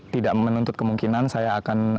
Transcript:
tidak menuntut kemungkinan saya akan